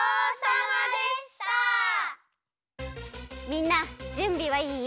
みんなじゅんびはいい？